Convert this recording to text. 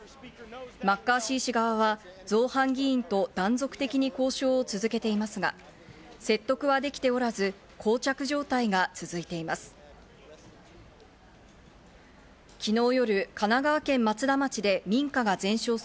マッカーシー氏側は造反議員と断続的に交渉を続けていますが、説得はできておらず、膠着状態が続いています。